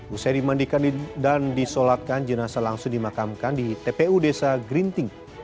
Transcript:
usai dimandikan dan disolatkan jenazah langsung dimakamkan di tpu desa grinting